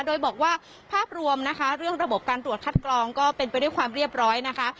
โดยบอกว่าภาพรวมนะคะเรื่องระบบการตรวจคัดกรองก็เป็นไปด้วยความเรียบร้อยนะคะ